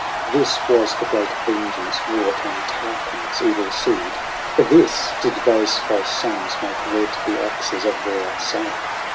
For this was the great vengeance wrought on Tarquin's evil seed ? For this did those false sons make red the axes of their sire